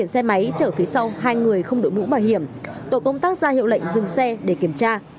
xe máy chở phía sau hai người không đội mũ bảo hiểm tổ công tác ra hiệu lệnh dừng xe để kiểm tra